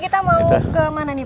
ke bengkel kerjaan